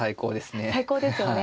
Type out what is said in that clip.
最高ですよね。